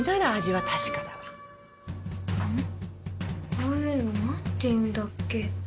こういうの何て言うんだっけ？